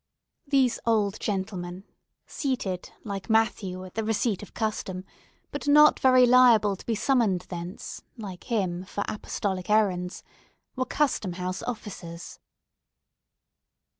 These old gentlemen—seated, like Matthew at the receipt of custom, but not very liable to be summoned thence, like him, for apostolic errands—were Custom House officers.